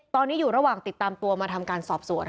ตอนนี้อยู่ระหว่างติดตามตัวมาทำการสอบสวน